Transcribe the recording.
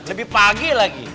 lebih pagi lagi